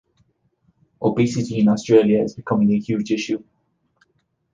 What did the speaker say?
Obesity in Australia is becoming a huge issue.